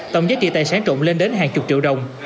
tổng giá trị tài sản trộm lên đến hàng chục triệu đồng